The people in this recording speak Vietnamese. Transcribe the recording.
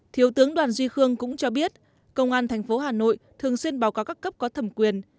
thủ tướng đoàn duy khương cũng cho biết công an thành phố hà nội thường xuyên báo cáo các cấp có thẩm quyền